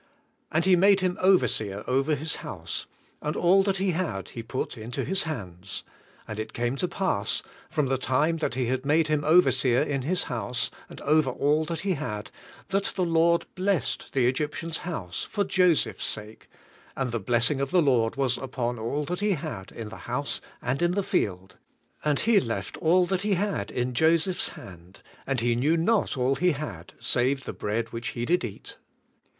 "And he made him overseer over his house, and all that he had he put into his hands. And it came to pass, from the time that he had made him over seer in his house, and over all that he had, that the Lord blessed the Egyptian's house for Joseph's 100 THE COMPLETE SURRENDER 101 sake, and the blessing of the Lord was upon all that he had in the house and in the field. And he left all that he had in Joseph's hand; and he knew not all he had, save the bread which he did eat."